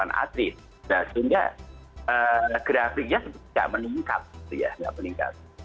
nah sehingga grafiknya nggak meningkat gitu ya nggak meningkat